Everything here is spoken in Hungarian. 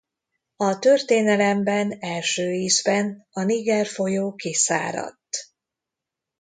A történelemben első ízben a Niger folyó kiszáradt.